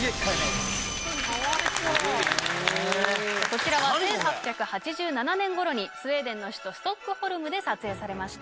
こちらは１８８７年頃にスウェーデンの首都ストックホルムで撮影されました。